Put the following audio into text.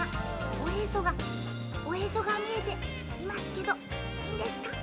おへそがおへそがみえていますけどいいんですか？